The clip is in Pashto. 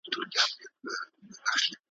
ستا نوم ته یې لیکمه چی منې یې او که نه ,